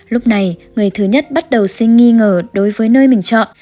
lúc này người thứ nhất bắt đầu sinh nghi ngờ đối với nơi mình chọn